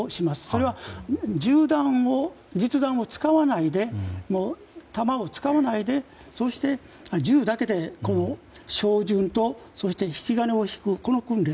それは、銃弾を実弾を使わないで弾を使わないでそして銃だけでこの照準と引き金を引くこの訓練。